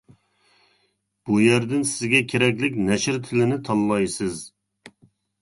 بۇ يەردىن سىزگە كېرەكلىك نەشر تىلىنى تاللايسىز.